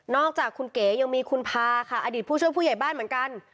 อกจากคุณเก๋ยังมีคุณพาค่ะอดีตผู้ช่วยผู้ใหญ่บ้านเหมือนกัน